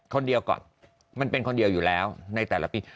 คนเดียวก่อนมันเป็นคนเดียวอยู่แล้วในแต่ละปี